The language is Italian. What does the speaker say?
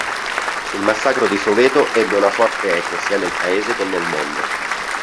Il massacro di Soweto ebbe una forte eco sia nel paese che nel mondo.